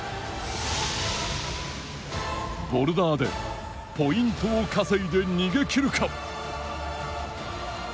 ボルダーでポイントを稼いで逃げきるか。